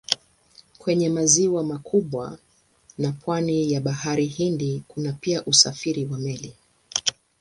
Kwenye maziwa makubwa na pwani ya Bahari Hindi kuna pia usafiri wa meli.